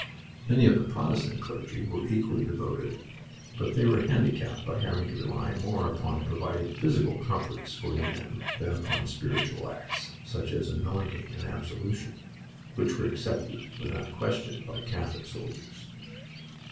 Many of the Protestant clergy were equally devoted, but they were handicapped by having to rely more upon providing physical comforts for the men than upon spiritual acts, such as anointing and absolution, which were accepted without question by Catholic soldiers.